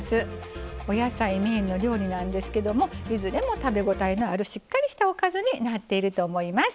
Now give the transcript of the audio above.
お野菜メインの料理なんですけどもいずれも食べ応えのあるしっかりしたおかずになっていると思います。